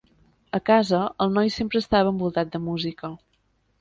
A casa, el noi sempre estava envoltat de música.